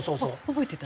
覚えてた。